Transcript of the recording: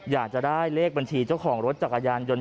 อยากจะได้เลขบัญชีเจ้าของรถจักรยานยนต